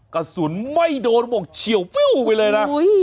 กระสุนไม่โดนบอกเฉียวฟิวไปเลยนะ